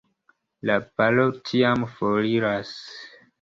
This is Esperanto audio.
La paro tiam foriras.